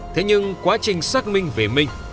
thế nhưng quá trình xác minh về minh